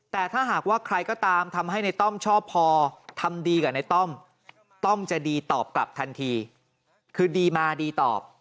แต่ถ้าหากว่าใครก็ตามทำให้ในต้อมชอบพอทำดีกับในต้อม